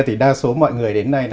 thì đa số mọi người đến đây